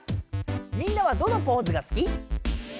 みんなはどのポーズがすき？